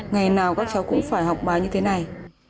ngày nào các cháu cũng phải học bài như thế này